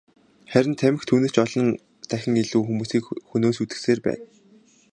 Харин тамхи түүнээс ч олон дахин илүү хүмүүсийг хөнөөн сүйтгэсээр байна.